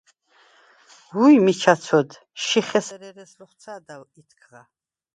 –უ̄ჲ, მიჩა ცოდ, შიხ ესერ ერე̄ს ლოხუ̂ცა̄და ითქღა!